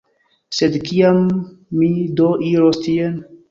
Sed kiam mi do iros tien?